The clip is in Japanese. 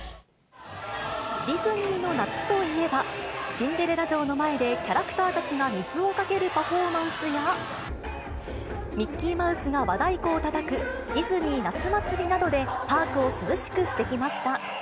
ディズニーの夏といえば、シンデレラ城の前で、キャラクターたちが水をかけるパフォーマンスや、ミッキーマウスが和太鼓をたたく、ディズニー夏祭りなどで、パークを涼しくしてきました。